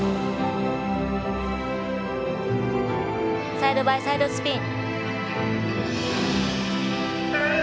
サイドバイサイドスピン。